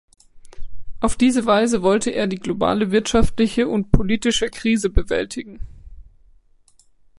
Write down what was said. Auf diese Weise wollte er die globale wirtschaftliche und politischer Krise bewältigen.